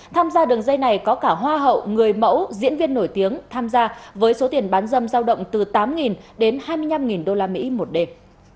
tham gia đường dây này có cả hoa hậu người mẫu diễn viên nổi tiếng tham gia với số tiền bán dâm giao động từ tám đến hai mươi năm usd một đêm